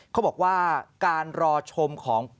เขาบอกว่าการรอชมของ